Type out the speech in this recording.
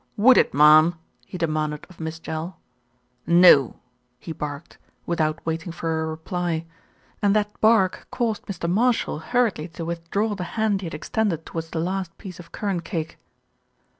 "Would it, marm?" he de manded of Miss Jell. "No !" he barked, without wait 116 THE RETURN OF ALFRED ing for a reply, and that bark caused Mr. Marshall hurriedly to withdraw the hand he had extended to wards the last piece of currant cake.